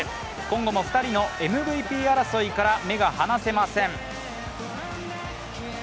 今後も２人のＭＶＰ争いから目が離せません。